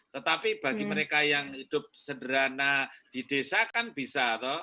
tetapi bagi mereka yang hidup sederhana di desa kan bisa toh